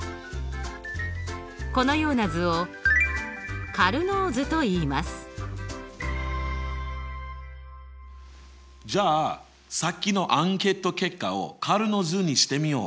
このような図をじゃあさっきのアンケート結果をカルノー図にしてみよう。